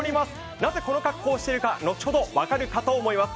なぜこの格好をしているか、後ほど分かるかと思います。